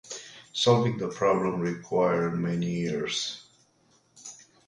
Solving the problem required many years.